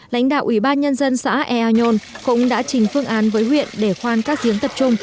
lãnh đạo ủy ban nhân dân xã ea nhôn cũng đã trình phương án với huyện để khoan các giếng tập trung